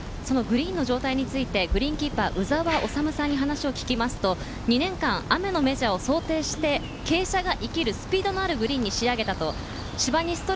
グリーンの状態についてグリーンキーパー・鵜沢治さんに話を聞くと、２年間、雨のメジャーを想定して傾斜が生きるスピードのあるグリーンに仕上げた。